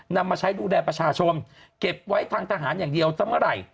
นำมาใช้ดูแลประชาชนเก็บไว้ทางทหารอย่างเดียวซะเมื่อไหร่